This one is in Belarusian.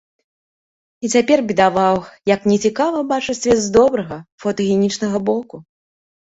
І цяпер бедаваў, як нецікава бачыць свет з добрага, фотагенічнага боку!